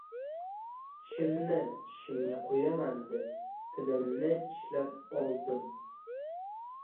— Tishimni tishimga qo‘yaman deb, tilimni tishlab oldim.